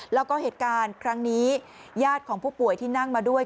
แล้วก็เหตุการณ์ครั้งนี้ญาติของผู้ป่วยที่นั่งมาด้วย